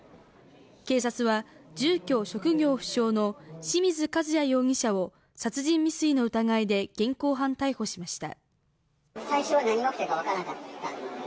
警察は、住居・職業不詳の清水和也容疑者を殺人未遂の疑いで、現行犯逮捕しました。